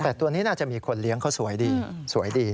แต่ตัวนี้น่าจะมีคนเลี้ยงเขาสวยดีสวยดี